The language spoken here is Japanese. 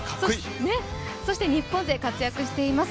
そして日本勢、活躍しています。